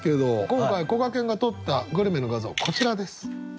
今回こがけんが撮ったグルメの画像こちらです。